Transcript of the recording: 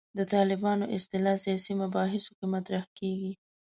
د طالبانو اصطلاح سیاسي مباحثو کې مطرح کېږي.